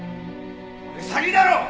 これ詐欺だろ！